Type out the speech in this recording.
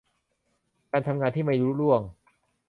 การทำงานที่ไม่ลุล่วง